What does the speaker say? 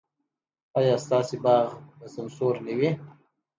ایا ستاسو باغ به سمسور نه وي؟